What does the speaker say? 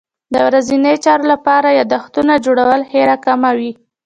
د ورځني چارو لپاره یادښتونه جوړول هېره کمه وي.